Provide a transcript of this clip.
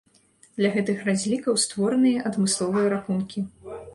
Для гэтых разлікаў створаныя адмысловыя рахункі.